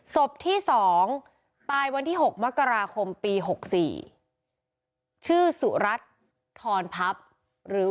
สบที่สองตายวันที่หกมกราคมปีหกสี่ชื่อสุรัจธรพหรือ